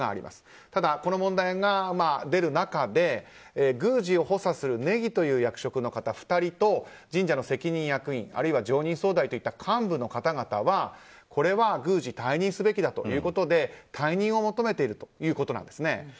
ただ、この問題が出る中で宮司を補佐する禰宜という役職の方２人と神社の責任役員あるいは常任総代といった幹部の方々は、これは宮司退任すべきだということで退任を求めているんですね。